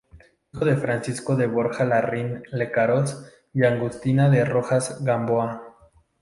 Hijo de Francisco de Borja Larraín Lecaros y Agustina de Rojas Gamboa.